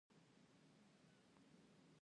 زه خپل ځان ته انګېزه ورکوم.